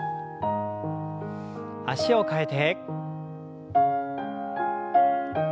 脚を替えて。